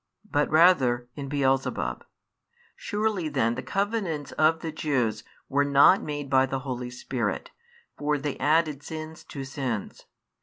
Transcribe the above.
but rather in Beelzebub. Surely then the covenants of the Jews were not made by the Holy Spirit, for they added sins to sins.